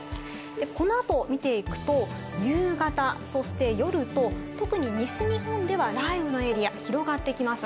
このあとを見ていくと、夕方、そして夜と特に西日本では雷雨のエリア、広がってきます。